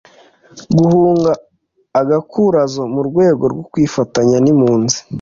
guhunga gakurazo mu rwego rwo kwifatanya n'impunzi